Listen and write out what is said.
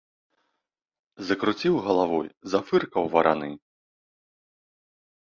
Закруціў галавой, зафыркаў вараны.